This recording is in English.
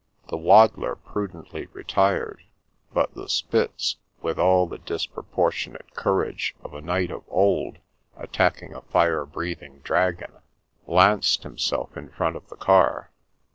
The waddler prudently retired, but the Spitz, with all the disproportionate courage of a knight of old attacking a fire breathing dragon, lanced himself in front of the car.